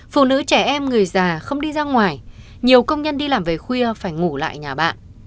phụ nữ trẻ em người già không đi ra ngoài nhiều công nhân đi làm về khuya phải ngủ lại nhà bạn